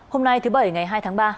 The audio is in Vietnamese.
hôm nay thứ bảy ngày hai tháng ba